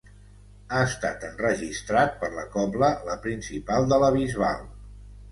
Ha estat enregistrat per la Cobla La Principal de la Bisbal.